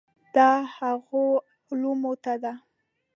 دا هغو علومو ته ده.